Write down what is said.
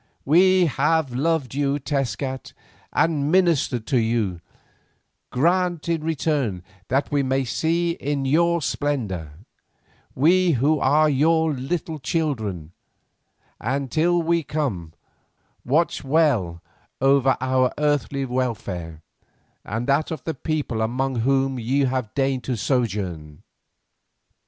We have loved you, Tezcat, and ministered to you, grant in return that we may see you in your splendour, we who are your little children, and till we come, watch well over our earthly welfare, and that of the people among whom you have deigned to sojourn."